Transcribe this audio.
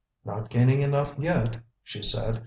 "Not gaining enough yet," she said.